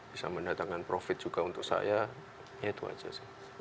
bisa mendatangkan profit juga untuk saya ya itu aja sih